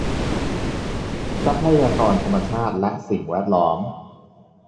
ทรัพยากรธรรมชาติและสิ่งแวดล้อม